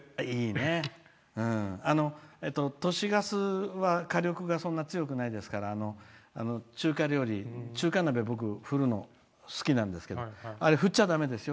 都市ガスは火力がそんな強くないですから中華料理、中華鍋を僕、振るの好きなんですけどあれ、振っちゃだめですよ。